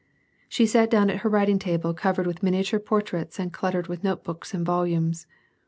She sat down at her writing table covered with miniature portraits and cluttered with note books and volumes.